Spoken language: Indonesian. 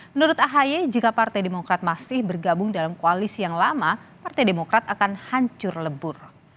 menurut ahy jika partai demokrat masih bergabung dalam koalisi yang lama partai demokrat akan hancur lebur